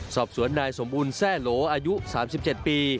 สอบสวนนายสมบูรณแทร่โหลอายุ๓๗ปี